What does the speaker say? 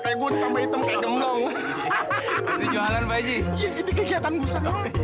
ini kegiatan busa